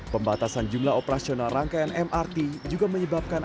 pembatasan jumlah operasional rangkaian mrt juga menyebabkan